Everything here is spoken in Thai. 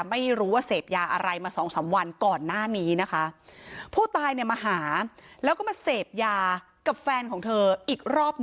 ไม่รู้ว่าเสพยาอะไรมาสองสามวันก่อนหน้านี้